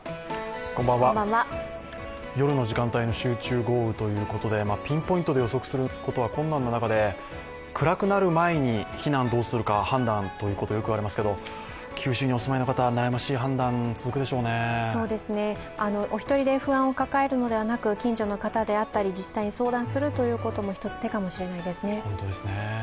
夜の時間帯の集中豪雨ということでピンポイントで予測することは困難な中で、暗くなる前に避難をどうするか判断ということをよく言われますけど、九州にお住まいの方は悩ましい判断でしょうねるお一人で不安を抱えるのではなく近所の方であったり、自治体に相談するということも一つ、手かもしれないですね。